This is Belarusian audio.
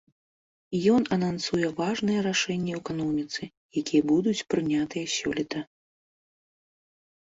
Ён анансуе важныя рашэнні ў эканоміцы, якія будуць прынятыя сёлета.